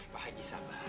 pak haji sabar